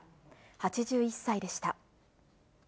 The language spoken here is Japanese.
８１歳でした。